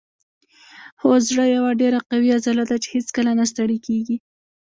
هو زړه یوه ډیره قوي عضله ده چې هیڅکله نه ستړې کیږي